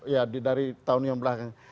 ya dari tahun yang belakang